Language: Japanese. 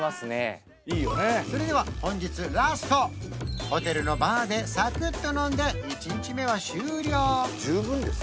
それでは本日ラストホテルのバーでさくっと飲んで１日目は終了